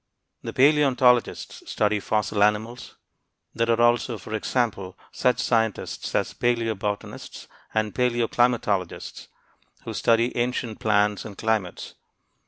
The paleontologists study fossil animals. There are also, for example, such scientists as paleobotanists and paleoclimatologists, who study ancient plants and climates.